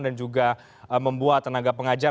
juga membuat tenaga pengajar